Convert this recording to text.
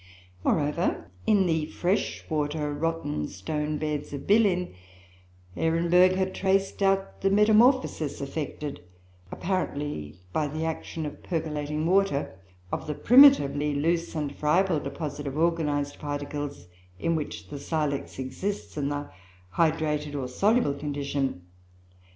Moreover, in the fresh water rotten stone beds of Bilin, Ehrenberg had traced out the metamorphosis, effected apparently by the action of percolating water, of the primitively loose and friable deposit of organized particles, in which the silex exists in the hydrated or soluble condition.